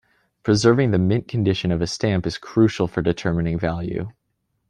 Preserving the mint condition of a stamp is crucial for determining value.